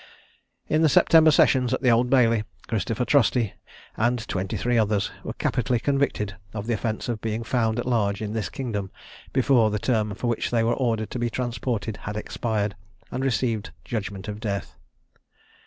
In the September sessions, at the Old Bailey, Christopher Trusty, and twenty three others, were capitally convicted of the offence of being found at large in this kingdom before the term for which they were ordered to be transported had expired, and received judgment of death.